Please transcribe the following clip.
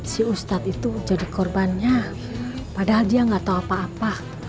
si ustadz itu jadi korbannya padahal dia nggak tahu apa apa